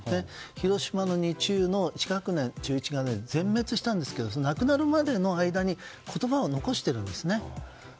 広島二中の１年生が全滅したんですけどその亡くなるまでの間に言葉を残しているんですね。